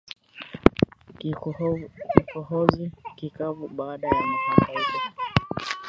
Kikohozi kikavu baada ya mahangaiko